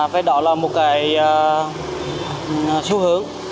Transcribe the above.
với đó là một cái xu hướng